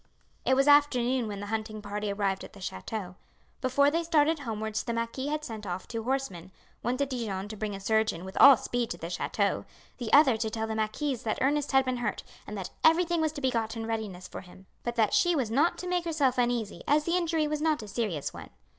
It was afternoon when the hunting party arrived at the chateau. Before they started homewards the marquis had sent off two horsemen; one to Dijon to bring a surgeon with all speed to the chateau, the other to tell the marquise that Ernest had been hurt, and that everything was to be got in readiness for him; but that she was not to make herself uneasy, as the injury was not a serious one.